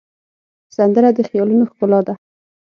سندره د خیالونو ښکلا ده